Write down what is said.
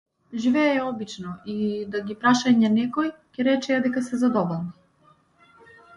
Живееја обично, и да ги прашање некој, ќе речеа дека се задоволни.